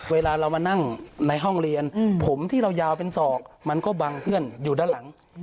เวลาเรามานั่งในห้องเรียนผมที่เรายาวเป็นศอกมันก็บังเพื่อนอยู่ด้านหลัง